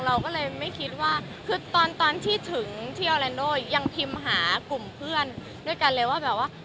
เราก็เลยไม่คิดว่าคือตอนตอนที่ถึงที่ออแลนโดยังพิมพ์หากลุ่มเพื่อนด้วยกันเลยว่าแบบว่า